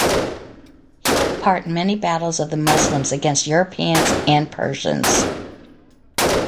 He took part in many battles of the Muslims against Europeans and Persians.